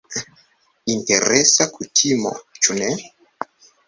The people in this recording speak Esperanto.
Interesa kutimo, ĉu ne?